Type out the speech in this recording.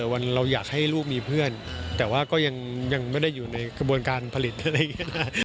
วันเราอยากให้ลูกมีเพื่อนแต่ว่าก็ยังไม่ได้อยู่ในกระบวนการผลิตอะไรอย่างนี้นะ